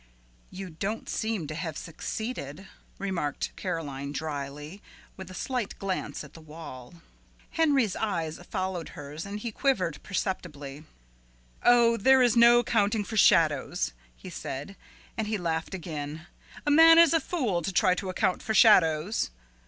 "You don't seem to have succeeded," remarked Caroline dryly, with a slight glance at the wall. Henry's eyes followed hers and he quivered perceptibly. "Oh, there is no accounting for shadows," he said, and he laughed again. "A man is a fool to try to account for shadows."